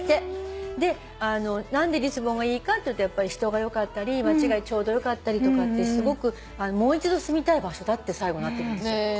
何でリスボンがいいかっていうと人がよかったり街がちょうどよかったりとかってすごくもう一度住みたい場所だって最後なってるんですよ。